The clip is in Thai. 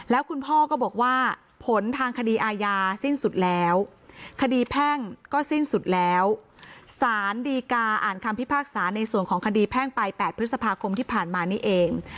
แล้วคุณพ่อก็บอกว่าผลทางคดีอาญาสิ้นสุดแล้วคดีแพ่งก็สิ้นสุดแล้วสารดีกาอ่านคำพิพากษาในส่วนของคดีแพ่งไป๘พฤษภาคมที่ผ่านมานี้เอง